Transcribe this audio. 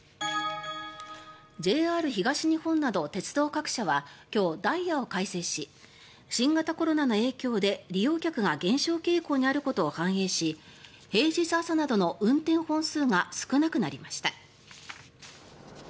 ＪＲ東日本など鉄道各社は今日、ダイヤを改正し新型コロナの影響で、利用客が減少傾向にあることを反映し平日朝などの運転本数が少なくなりました。